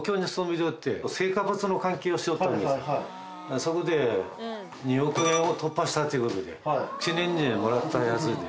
そこで二億円を突破したということで記念に貰ったやつで。